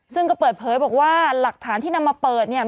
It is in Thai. ซึ่งก็เปิดเผยบอกว่าหลักฐานที่นำมาเปิดเนี่ย